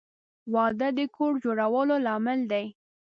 • واده د کور جوړولو لامل دی.